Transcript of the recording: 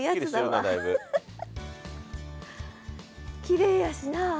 きれいやしなあ。